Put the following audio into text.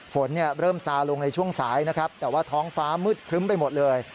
ฝนเริ่มซาลงในช่วงสายนะครับแต่ว่าท้องฟ้ามืดครึ้มไปหมดเลย